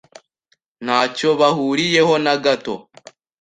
Ntacyo bahuriyeho na gato.